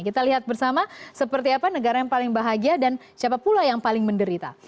kita lihat bersama seperti apa negara yang paling bahagia dan siapa pula yang paling menderita